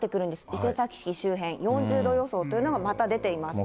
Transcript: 伊勢崎市周辺、４０度予想というのが、また出ています。